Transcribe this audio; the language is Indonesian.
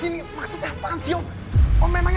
ini tidak mungkin terjadi